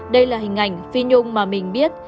đây là hình ảnh phi nhung mà mình biết